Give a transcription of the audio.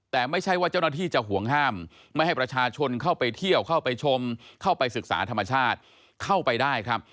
แต่ไม่ใช่ว่าเจ้าหน้าที่จะห่วงห้ามไม่ให้ประชาชนเข้าไปเที่ยวเข้าไปชมเข้าไปศึกษาธรรมชาติเข้าไปได้ครับ